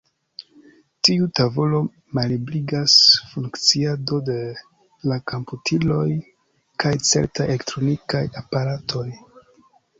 Tiu tavolo malebligas funkciado de la komputiloj kaj ceteraj elektronikaj aparatoj.